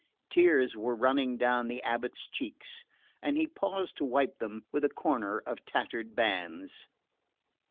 Tears were running down the abate's cheeks, and he paused to wipe them with a corner of tattered bands.